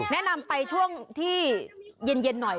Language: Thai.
แนะนำไปช่วงที่เย็นหน่อย